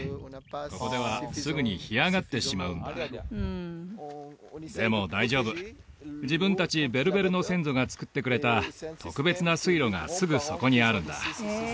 ここではすぐに干上がってしまうんだでも大丈夫自分達ベルベルの先祖がつくってくれた特別な水路がすぐそこにあるんだ